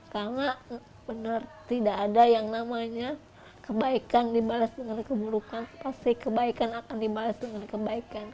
karena benar tidak ada yang namanya kebaikan dibalas dengan keburukan pasti kebaikan akan dibalas dengan kebaikan